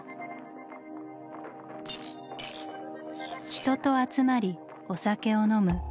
「人と集まりお酒を飲む」。